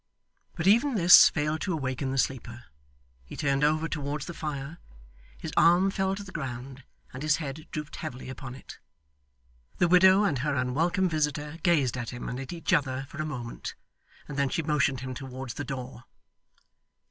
But even this failed to awaken the sleeper. He turned over towards the fire, his arm fell to the ground, and his head drooped heavily upon it. The widow and her unwelcome visitor gazed at him and at each other for a moment, and then she motioned him towards the door.